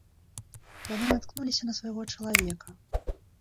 Яны наткнуліся на свайго чалавека.